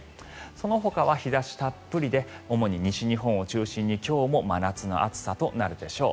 そのほかは日差したっぷりで主に西日本を中心に今日も真夏の暑さとなるでしょう。